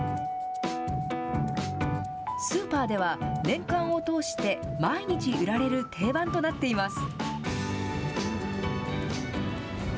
スーパーでは、年間を通して毎日売られる定番となっています。